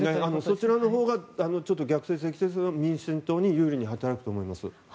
そちらのほうが逆説的にですが民進党に有利に働くと思います。